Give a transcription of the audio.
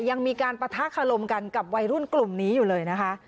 ยังมีการปะทะคารมกันกับวัยรุ่นกลุ่มนี้อยู่เลยนะคะ